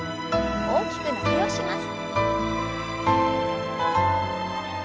大きく伸びをします。